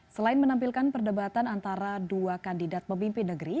selain menampilkan perdebatan antara dua kandidat pemimpin negeri